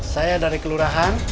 saya dari kelurahan